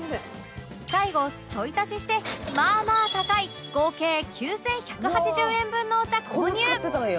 最後ちょい足ししてまあまあ高い合計９１８０円分のお茶購入